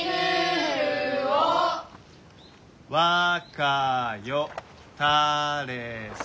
「わかよたれそ」。